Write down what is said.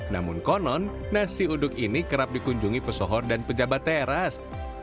namun konon nasi uduk ini kerap dikunjungi pesohor dan pejabat teras